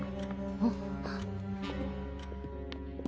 あっ！